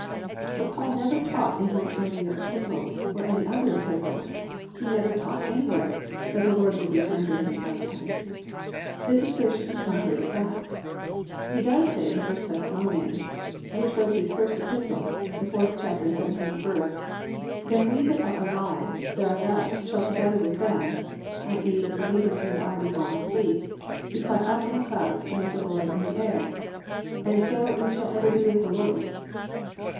But Paul never taught in his earlier epistles, or any other epistles, he never taught anywhere, that the Lord would return during his lifetime. This assertion is contrary to fact. He does say in 1 Thess. which was his first epistle, the 4th chapter and 17th verse: +"Then we that are alive, that are left, shall together with them+ (i.e., the believers who had already fallen asleep) +be caught up in the clouds, to meet the Lord in the air; and so shall we ever be with the Lord."